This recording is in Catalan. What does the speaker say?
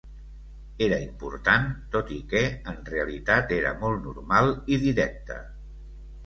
Era important, tot i que en realitat era molt normal i directa.